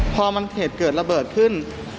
พอมันเหตุเกิดระเบิดขึ้น